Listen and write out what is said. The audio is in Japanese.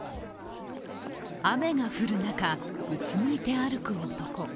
雨が降る中、うつむいて歩く男。